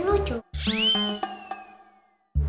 sampai jumpa lagi